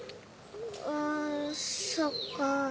あそっか。